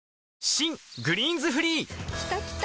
新「グリーンズフリー」きたきた！